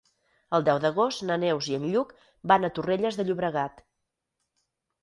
El deu d'agost na Neus i en Lluc van a Torrelles de Llobregat.